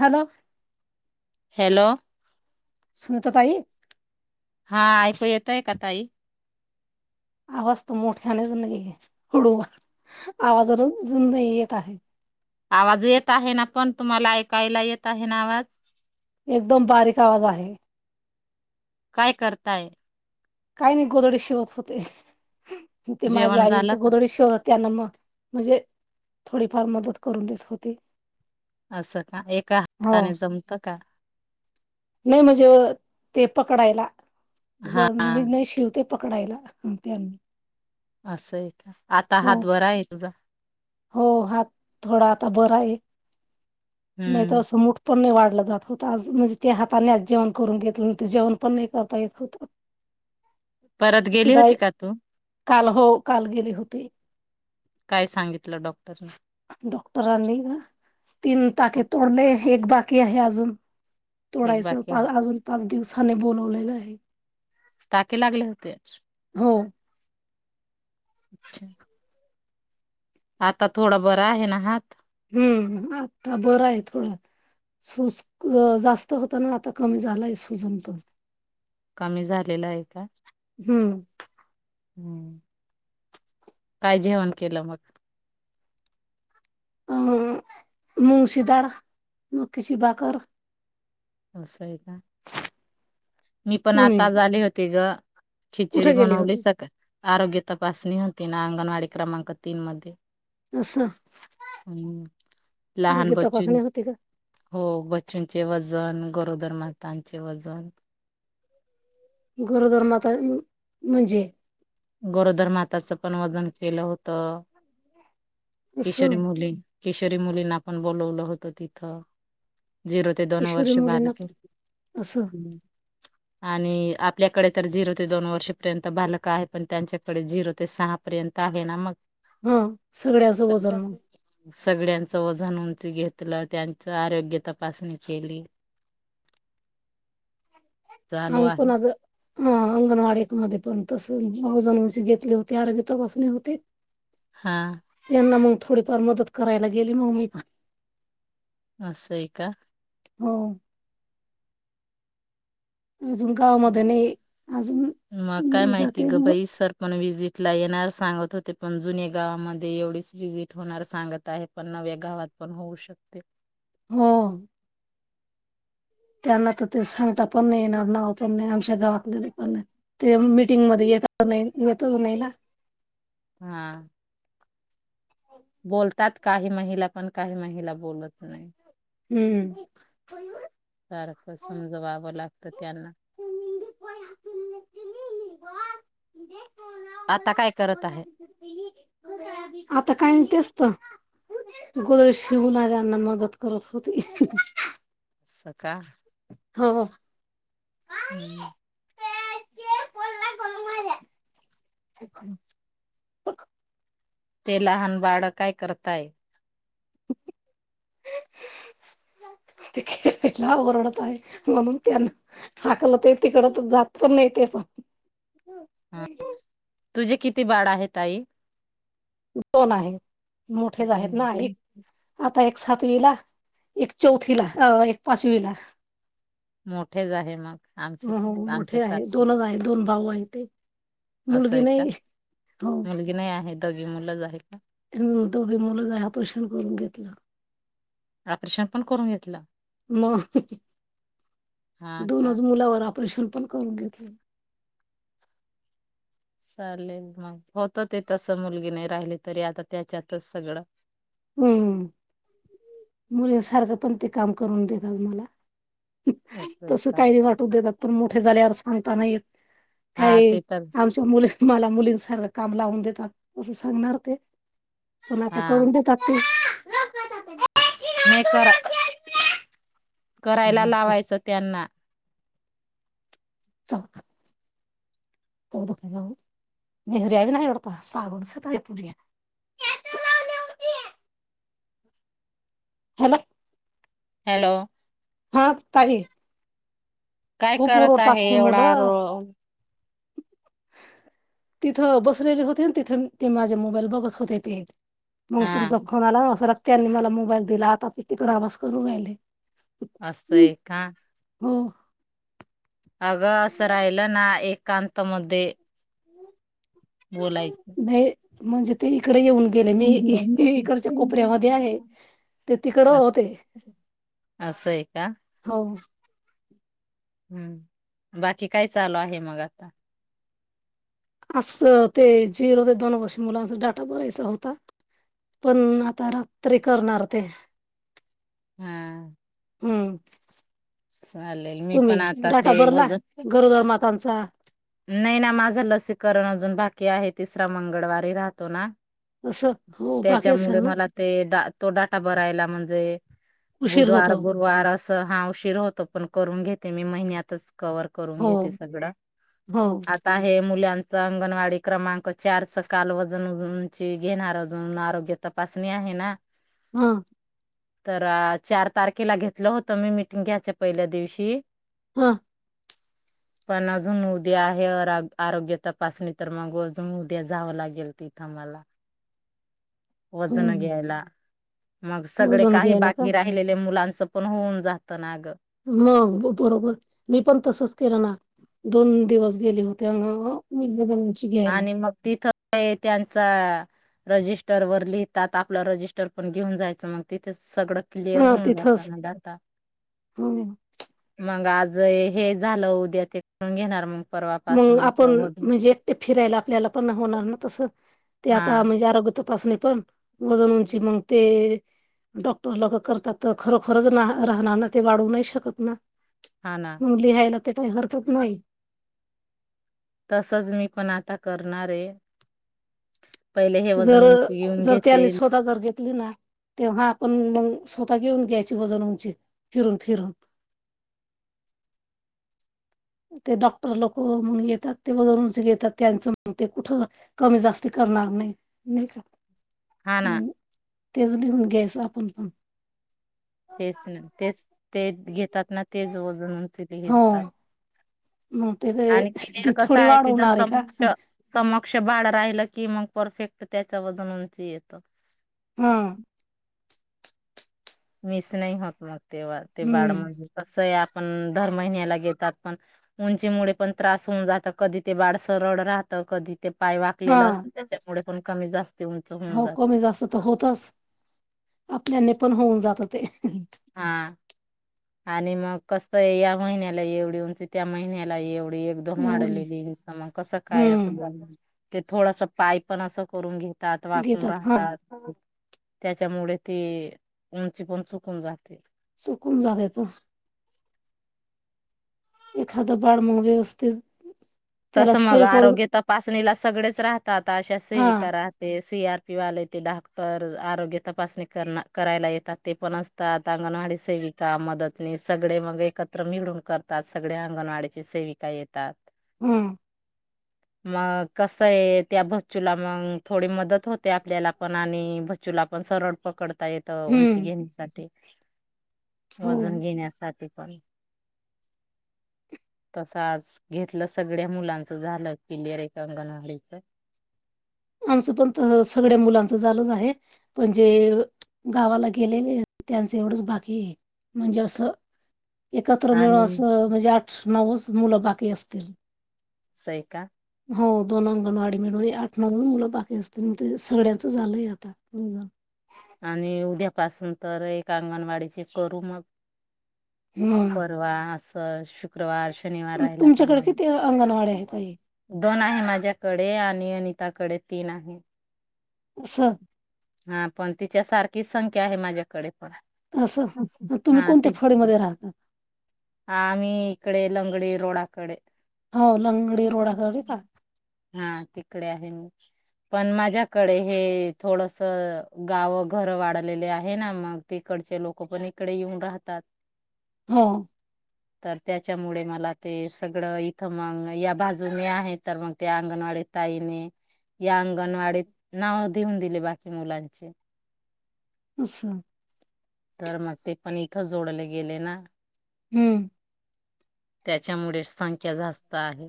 Hello. Hello, सुनता ताई? हा ऐकू येतयं का ताई? आवाज त मोठ्या आणि ज आहे [unintelligible] हळू आवाजान जुंद येत आहे. आवाज येत आहे ना पण तुम्हाला ऐकायला येत आहे ना आवाज? एकदम बारीक आवाज आहे. काय करताय? काही नाही गोदडी शीवत होते. ते माझी जेवण आईन झालं ते का गोदडी शिवत त्यांना म म्हणजे थोडीफार मदत करून देत होते. आसं का एका हो हाताने जमतं का? नाही म्हणजे ते पकडायला हा जर मी नाही शिवतत. पकडायला ते अनि. आसं आहे का आता हो हात बरा आहे तुझा? हो हात थोडा आता बरा आहे नाही त हम्म असं मूठ पण नाही वाढलं जात होता आज म्हणजे त्या हाताने आज जेवण करून घेतल ते जेवण पण नाही करता येत होत. [inaudible] परत गेली डाळ होती का तू? काल हो काल गेली होते. काय सांगितलं डॉक्टरनी? डॉक्टरांनी ना तीन टाके तोडले एक बाकी आहे आजून. एक तोडायस बाकी पा आहे आजून पाच दिवसाने बोलवलेलं आहे. टाके लागले होते? हो. अच्छा. आता थोडा बर आहे ना हात? हम्म आता बरं आहे थोडा हात. सूज जास्त होता ना आता कमी झालाय सुजन पण कमी झालेलंय काय? हम्म हम्म काय जेवण केलं मग? अ मुगची दाळ नखिची भाकर असंय का? मी पण तुम्ही आताच आली होती ग खिचडी कुठे गेले बनवली होते सका आरोग्य तपासणी होती ना अंगणवाडी क्रमांक तीन मध्ये असं हं लहान आरोग्य तपासणी बच्चूंचे होती का हो बच्चूंचे वजन गरोदरमातांचे वजन गरोदर माता म्हणजे? गोरोदर माताचं पण वजन केलं होतं असं किशोरी मुली किशोरी मुलींना पण बोलवलं होत तिथं झिरो ते दोन किशोरी वर्ष मुलींना बालके असं हं आणि आपल्याकडे तर झिरो ते दोन वर्षपर्यंत बालकं आहेत पण त्यांच्याकडे झिरो ते सहा पर्यत आहे ना मग हम् त [unintelligible] सगळ्यांचं वजन उंची घेतलं त्यांच आरोग्य तपासणी केली. चालू आण आहे कुणाचं? हा अंगणवाडीत मध्ये पण तस वजन घेतले होते आरोग्य तपासून होते [inaudible] हा त्यांना मग थोडीफार मदत करायला गेली मग मी असंय का? हो अजून गावामध्ये नाही अजून मग काय नाही माहिती जाते ग नवं बाई सर पण विजिट ला येणार सांगत होते पण जुन्या गावामध्ये एवढीच विजिट होणार सांगत आहेत पण नव्या गावात पण होऊ शकते हो त्यांना तर ते सांगता पण नाही येणार ना पण नाही आमच्या गावात पण ते मीटिंग मध्ये येत नाही येतच नाही ना हा हो [unintelligible] बोलतात काही महिला पण काही महिला बोलत नाही हम्म सारखं समजवावं लागतं त्यांना आता काय करत आहे? आता काय ना तेच तं गोधड्या शिवणाऱ्यांना मदत करत होते सकाळ हो हो हम् [unintelligible] ते लहान बाळं काय करताय? ते खेळाला ओरडत आहे म्हणून त्यांना हाकलंते तिकडं तर जात पण नाही ते पा तुझी किती बाळं आहे ताई? दोन आहेत मोठेच आहेत ना एक आता एक सातवीला एक चौथी ला अ एक पाचवीला मोठेच आहे मग आमचे हो हो आमच्या मोठे आहे सारखे दोनच आहे दोन भाऊ आहे ते असं मुलगी आहे का नाही हो. मुलगी नाही आहे दोघ मुलंच आहेत का हम्म दोघे मुलंच आहेत ऑपरेशन करून घेतलं ऑपरेशन पण करून घेतलं मग हा का? दोनच मुलावर ऑपरेशन पण करून घेतल चालेल मग होत तेे तसं मुलगी नाही राहिली तरी आता त्याच्यातच सगळं हम्म मुली सारखं पण ते काम करून देतात मला असं आहे तस का? काही वाटु देतात पण मोठे झाले यार सांगता नाही येत हा काही ते तर आमच्या मुली मला मुलीं सारखं काम लावून देतात असं सांगणार ते. पण आता हा करून देतात ते नई करा करायला लावायचं त्यांना चा [unintelligible] पोरी या हॅलो हॅलो हा ताई काय खूप करत ओरडतात आहे ही एवढा रो मुलं. तिथं बसलेले होते तिथे ते माझे मोबाईल बघत होते ते मग हा तुमचा फोन आला सरक त्यांनी मला मोबाईल दिला आता ते तिकडे आवाज करून राहिले असंय का हो अगं असं राहिलं ना एकांतामध्ये नाही म्हणजे ते इकडे येऊन गेले मी इकडच्या कोपऱ्यामध्ये आहे ते तिकड अस- होते. असं आहे का हो हम्म बाकी काय चालू आहे मग आता असं ते झिरो ते दोन वर्ष मुलांचा डाटा भरायचा होता पण आता रात्री करणार ते हा हम्म चालेल मी तुम्ही पण आता डाटा ते भरला वजन गरोदर मातांचा नाही ना माझं लसीकरण अजून बाकी आहे तिसरा मंगळवारी राहतो ना असं हो बाकी असेल त्याच्यामुळे ना मला ते ड तो डाटा भरायला म्हणजे उशीर बुधवार होतो. गुरुवार असं हा उशीर होतो पण करून घेते मी महिन्यातच कव्हर करून हो घेते सगळं हो आ आहे मुलांच अंगणवाडी क्रमांक चारच काल वजन उंची घेणार अजून आरोग्य तपासणी आहे ना हा तर चार तारखेला घेतलं होतं मी मीटिंग घ्यायच्या पहिल्या दिवशी हा पण अजून उद्या आहे आरोग्य तपासणी तर मग अजून उद्या जावं लागेल ती थ मला वजन घ्यायला मग सगळे मोजून काही घ्यायला का बाकी रा हिलेल्या मुलांच पण होऊन जातं ना गं हा मग बरोबर मी पण तसच केलं ना दोन दिवस गेले होते अ. [unintelligible] आणि मग तिथं त्यांचा, रजिस्टर वर लिहितात, आपलं रजिस्टर पण घेऊन जायचं मग तिथेच सगळं क्लिअर हा होऊन जात तिथंच ना डाटा. हो मग आज हे झालं उद्या ते करून घेणार मग. मग परवापासून आपण असं वध म्हणजे एकटे फिरायला आपल्याला, होणार ना तस ते आता हा म्हणजे, आरोग्य तपासणी पण वजन उंची मगं. ते, डॉक्टर लोक करतात तर खरोखरच राहणारना ते वाढवू नाही शकत ना? हा ना. मग लिहायला ते काही हरकत नाही. तसच मी पण आता करणार आहे. पहिले हे जर वजन उंची घेऊन जर घेते. त्यांनी स्वतः जर घेतली ना तेव्हा आपण, मग स्वतः घेऊन घ्यायची वजन उंची फिरून, फिरून ते डॉक्टर लोक म्हणून येतात, ते वगरूनच घेतात त्यांचं मग ते कुठंन. कमी जास्ती करणार नाही. हा ना तेच लिहून घ्यायचं आपण. तेच ना तेच ते घेतात ना तेच वजण उंच. किती हो घेतात.. मग ते काय आनखीन एक ती कसं थोडी आहे तिथं वाढवणार आहे का समक्ष. समक्ष बाळ राहिलं की मग परफेक्ट त्याच वजन उंच येतं. हा. मिस नाही होत मग तेव्हा ते बाळ हम्म मग कसं आहे, आपण दर महिन्याला घेतात पण. उंचीमुळे पण त्रास होऊन जातं, कधी ते बाळ सरळ राहतं कधी. पाय वाकलेलं हा असत त्याच्यामुळे पण कमी जास्त, हो कमी जास्त तर होतच आपल्यानी पण होऊन जात ते, हा. आणि मग कस या महिन्याला एवढी उंची त्या महिन्याला एवढी एक एवढी वाढली मग कस काय अस हम्म ते थोडस पाय पण अस करून घेत. ताठ वाकून घेतात हा राहतात. त्याच्यामुळे ती उंची पण चुकून जाते. [inaudible] चुकून झालय तो, एखाद बाळ मग व्यवस्थित, तस त्याला मग सोय पडून आरोग्य तपासणीला सगळेच राहतात. आशा हा सेविका राहतात. ते सी आर पी वाले ते डाक्टर आरोग्य तपासणी कर करायला येतात. ते पण असतात. अंगणवाडी सेविका मदतनिस सगळे मग एकत्र मिळून करतात. सगळ्या अंगणवाडीची सेविका येतात. हम. मग कस आहे, त्या बच्चूला मग थोडी मदत होते. आपल्याला पण आणि तुला पण सरळ पकडता येत उंची हम्म घेण्यासाठी, हो वजन घेण्यासाठी पण. तसं आज घेतलंस. सगळ्या मुलांचं झालं क्लियर एक अंगणवाडीच. आमचं पण तर सगळ्या मुलांचं झालंच आहे. पण जे गावाला गेलेले त्यांचं एवढंच बाकी आहे. म्हणजे असं, एकत्र मिळून आणि असं म्हणजे आठ नऊच मुलं बाकी असतील. असंय का? हो दोन अंगणवाडी मिळवून. म्हणून मुलं बाकी असते, मगं ते सगळ्यांचं झालंय आता. आणि उद्यापासून तर एक अंगणवाडीची करू मग हम्म तवा असं शुक्रवार शनिवार राहियला का मग आंगनवाड्या हायत हे दोन आहे माझ्याकडे आणि अनिताकडे तीन आहे असं हा पण तिच्यासारखीच संख्या आहे माझ्याकडे पण अच्छा. असं तुम्ही हा कोणत्या फडे तीच मध्ये राहतात आम्ही इकडे लंगडी रोडाकडे हो लंगडी रोडाकडे का? हा तिकडे आहे मी पण माझ्याकडे हे थोडस गावं घरं वाढलेले आहे ना मग तिकडचे लोक पण इकडे येऊन राहतात हा तर त्याच्यामुळे मला ते सगळं इथं मग या बाजूने आहे तर मग ते अंगणवाडी ताईने या अंगणवाडीत नाव देऊन दिले बाकी मुलांचे अस तर मग ते पण इथं जोडले गेले ना हम्म त्याच्यामुळे संख्या जास्त आहे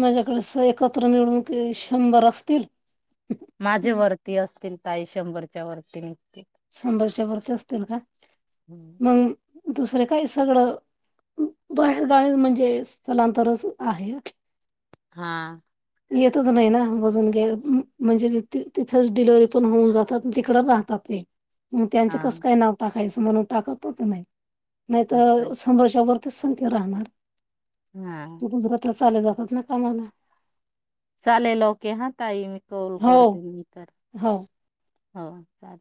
माझ्याकडे एकत्र निवडणुक शंभर असतील माझे हम्म. वरती असतील ताई शंभरच्या वरती निघतील संडासच्या वरती असतील का मग दुसरे काही सगळं बाहेर बाहेर म्हणजे स्थलांतरच आहे हा येतच नाही ना वजन घ्या म्हणजे तिथंच डिलवर्हरी पण होऊन जातात तिकडच राहतात ते मग त्यांच हा कसं काय नाव टाकायचं म्हणून टाकतच नाही नाहीत असं आहे सर्षावरर तून ते राहणार हम् त तुमं पत्र चाल जत ना कामाला चालेल ओके हा ताई मी कॉल हो करते मी तर हो हो चालेल